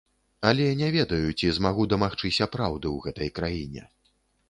Але не ведаю, ці змагу дамагчыся праўды ў гэтай краіне.